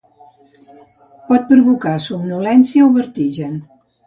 Pot provocar somnolència o vertigen.